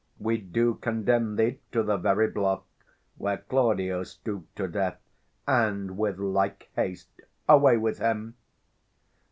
We do condemn thee to the very block Where Claudio stoop'd to death, and with like haste. Away with him!